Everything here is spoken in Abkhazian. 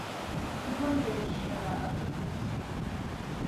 Сгәырӷьа-ччара аҵыхәа ԥҵәеит!